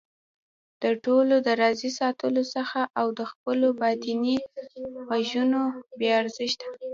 د ټولو د راضي ساتلو حڅه او د خپلو باطني غږونو بې ارزښته